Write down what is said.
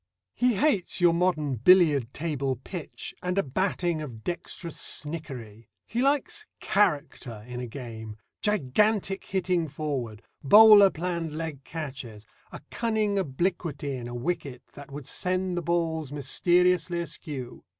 He hates your modern billiard table pitch, and a batting of dexterous snickery. He likes "character" in a game, gigantic hitting forward, bowler planned leg catches, a cunning obliquity in a wicket that would send the balls mysteriously askew.